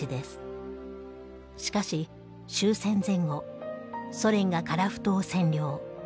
しかし終戦前後ソ連が樺太を占領。